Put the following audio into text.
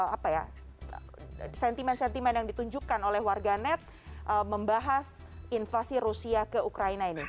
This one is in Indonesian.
apa ya sentimen sentimen yang ditunjukkan oleh warga net membahas invasi rusia ke ukraina ini